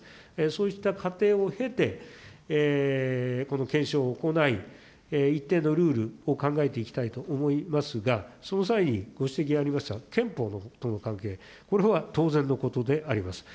そうした過程を経て、この検証を行い、一定のルールを考えていきたいと思いますが、その際に、ご指摘がありました憲法との関係、これは当然のことであります。